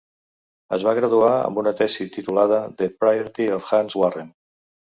Es va graduar amb una tesi titulada "The Poetry of Hans Warren".